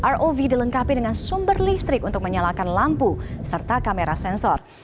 rov dilengkapi dengan sumber listrik untuk menyalakan lampu serta kamera sensor